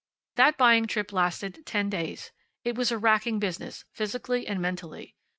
That buying trip lasted ten days. It was a racking business, physically and mentally.